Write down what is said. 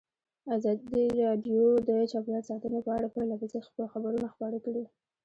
ازادي راډیو د چاپیریال ساتنه په اړه پرله پسې خبرونه خپاره کړي.